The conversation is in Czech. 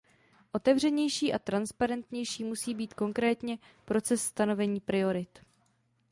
Otevřenější a transparentnější musí být konkrétně proces stanovení priorit.